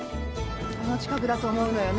この近くだと思うのよね。